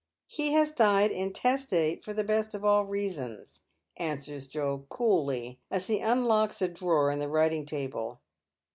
" He has died intestate for the best of all reasons," answers Joel, coolly, as he unlocks a drawer in the writing table.